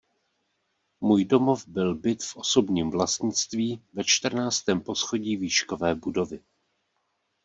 Můj domov byl byt v osobním vlastnictví ve čtrnáctém poschodí výškové budovy.